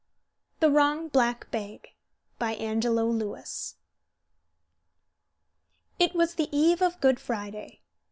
THE WRONG BLACK BAG BY ANGELO LEWIS It was the eve of Good Friday.